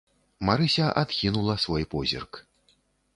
Марыся адхінула свой позірк.